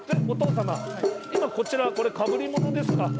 お父様、今こちらかぶり物ですか？